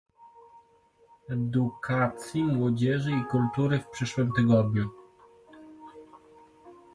Edukacji, Młodzieży i Kultury w przyszłym tygodniu